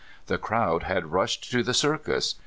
The crowd had rushed to the circus.